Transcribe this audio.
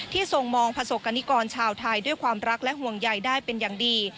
ทรงมองประสบกรณิกรชาวไทยด้วยความรักและห่วงใยได้เป็นอย่างดี